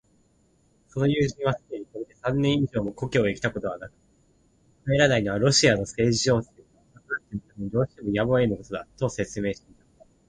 その友人はすでにこれで三年以上も故郷へきたことはなく、帰らないのはロシアの政治情勢の不安定のためにどうしてもやむをえぬことだ、と説明していた。